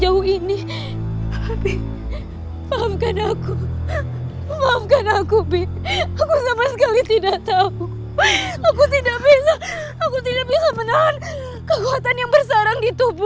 atau kalian berdua akan mati